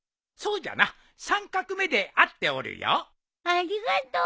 ありがとう。